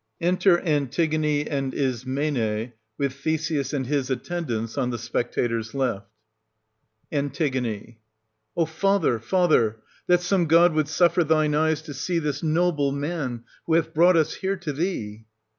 Enter ANTIGONE and ISMENE, with THESEUS and his attendants, on the spectators left. An. O father, father, that some god would suffer 1 100 thine eyes to see this noble man, who hath brought us here to thee